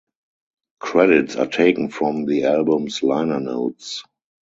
Credits are taken from the album's liner notes.